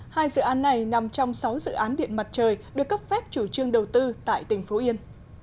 hai dự án này nằm trong sáu dự án điện mặt trời được cấp phép chủ trương đầu tư tại tỉnh phú yên